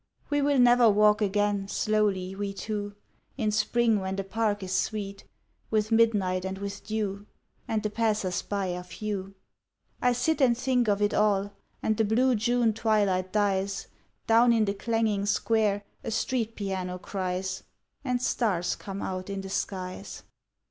We will never walk again Slowly, we two, In spring when the park is sweet With midnight and with dew, And the passers by are few. I sit and think of it all, And the blue June twilight dies, Down in the clanging square A street piano cries And stars come out in the skies.